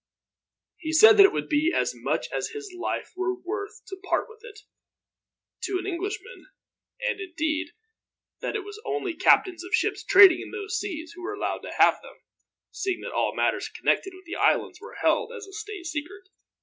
He said that it would be as much as his life were worth to part with it, to an Englishman; and, indeed, that it was only captains of ships trading in those seas who were allowed to have them, seeing that all matters connected with the islands were held as a state secret.